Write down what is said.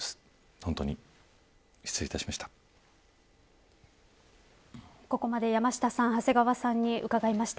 本当に失礼いたしました。